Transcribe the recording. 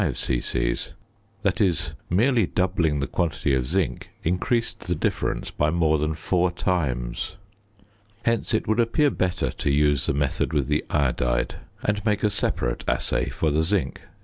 c.: that is, merely doubling the quantity of zinc increased the difference by more than four times. Hence it would appear better to use the method with the iodide and make a separate assay for the zinc.